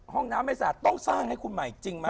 ห้องน้ำไม่สาดต้องสร้างให้คุณใหม่จริงไหม